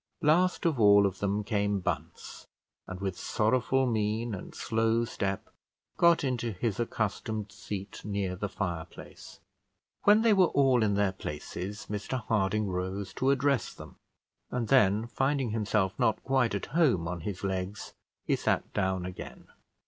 Last of all of them came Bunce, and with sorrowful mien and slow step got into his accustomed seat near the fire place. When they were all in their places, Mr Harding rose to address them; and then finding himself not quite at home on his legs, he sat down again.